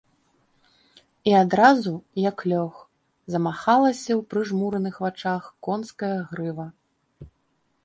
І адразу, як лёг, замахалася ў прыжмураных вачах конская грыва.